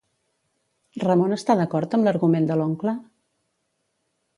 Ramon està d'acord amb l'argument de l'oncle?